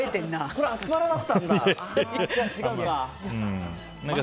これ、アスパラだったのか。